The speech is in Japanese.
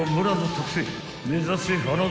特製目指せ花園